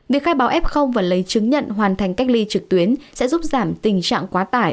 việc khai báo f và lấy chứng nhận hoàn thành cách ly trực tuyến sẽ giúp giảm tình trạng quá tải